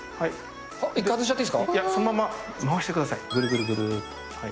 そのまま回してください、ぐるぐるぐるっと。